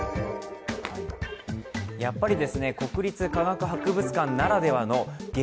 やっぱり国立科学博物館ならではの激